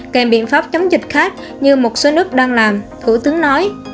kèm biện pháp chống dịch khác như một số nước đang làm thủ tướng nói